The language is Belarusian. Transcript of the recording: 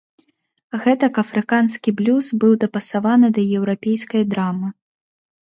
Гэтак афрыканскі блюз быў дапасаваны да еўрапейскай драмы.